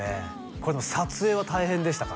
これでも撮影は大変でしたか？